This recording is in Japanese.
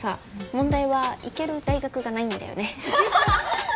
問題は行ける大学がないんだよねアハハハハ！